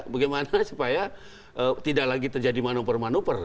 bagaimana supaya tidak lagi terjadi manupur manupur